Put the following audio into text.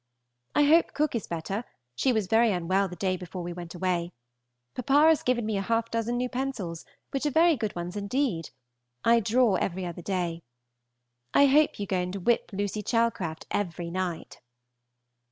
I hope Cook is better; she was very unwell the day we went away. Papa has given me half a dozen new pencils, which are very good ones indeed; I draw every other day. I hope you go and whip Lucy Chalcraft every night.